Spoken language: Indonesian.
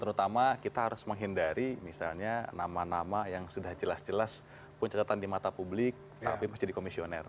terutama kita harus menghindari misalnya nama nama yang sudah jelas jelas punya catatan di mata publik tapi masih di komisioner